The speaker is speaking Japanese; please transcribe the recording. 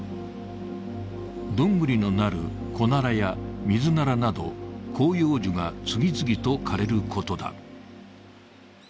どんぐりのなるコナラやミズナラなど広葉樹が次々と枯れることだ。